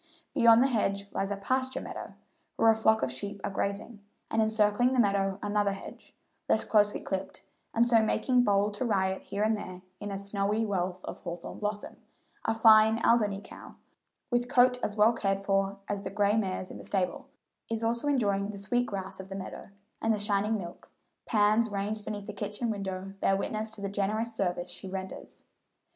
Beyond the hedge lies a pasture meadow, where a flock of sheep are grazing, and encircling the meadow another hedge, less closely clipped, and so making bold to riot here and there in a snowy wealth of hawthorn blossom, A fine Alderney cow, with coat as well cared for as the gray mare's in the stable, is also enjoying the sweet grass of the meadow, and the shining milk, pans ranged beneath the kitchen window bear witness to the generous service she renders.